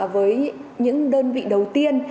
với những đơn vị đầu tiên